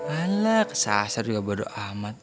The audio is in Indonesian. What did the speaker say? aleksasar ya bodo ahmad